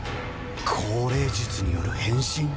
降霊術による変身